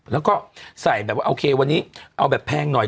แล้วก็ใส่แบบว่าโอเควันนี้เอาแบบแพงหน่อย